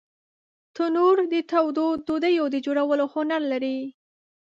تنور د تودو ډوډیو د جوړولو هنر لري